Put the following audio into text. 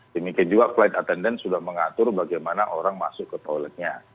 demikian juga flight attendant sudah mengatur bagaimana orang masuk ke toiletnya